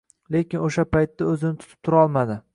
Lekin o`sha paytda o`zini tutib turolmadi